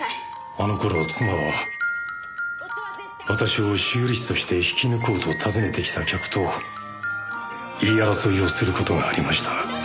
あの頃妻は私を修理師として引き抜こうと訪ねてきた客と言い争いをする事がありました。